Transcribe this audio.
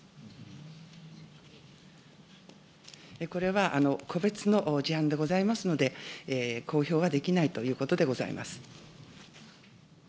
これは個別の事案でございますので、公表はできないということでございます。